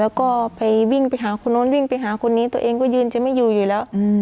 แล้วก็ไปวิ่งไปหาคนโน้นวิ่งไปหาคนนี้ตัวเองก็ยืนจะไม่อยู่อยู่แล้ว